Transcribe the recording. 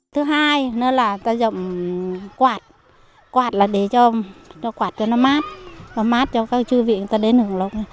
thứ hai là rậm quạt quạt là để cho mát cho các chư vị đến hưởng lộng